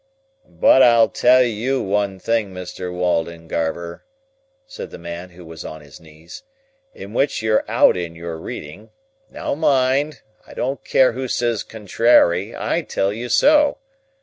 "But I'll tell you one thing, Mr. Waldengarver," said the man who was on his knees, "in which you're out in your reading. Now mind! I don't care who says contrairy; I tell you so.